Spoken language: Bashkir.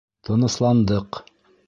Тынысландыҡ!